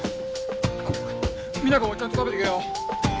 実那子もちゃんと食べてけよ。